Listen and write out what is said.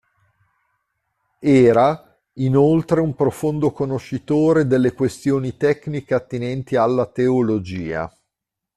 Era, inoltre un profondo conoscitore delle questioni tecniche attinenti alla teologia.